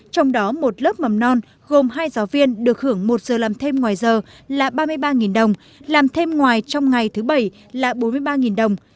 trong đó một lớp mầm non gồm hai giáo viên được hưởng một giờ làm thêm ngoài giờ là ba mươi ba đồng làm thêm ngoài trong ngày thứ bảy là bốn mươi ba đồng